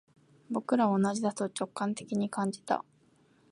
僕らは同じだと直感的に感じた